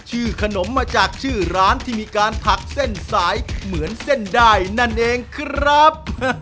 ขนมมาจากชื่อร้านที่มีการถักเส้นสายเหมือนเส้นได้นั่นเองครับ